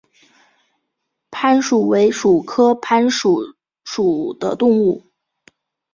攀鼠为鼠科攀鼠属的动物。